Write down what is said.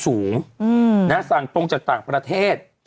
สูงสั่งตรงจากต่างประเทศ